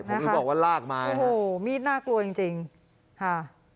ผมถึงบอกว่าลากมาเนี่ยโอ้โหมีดน่ากลัวจริงจริงค่ะ